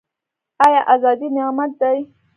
آیا ازادي نعمت دی؟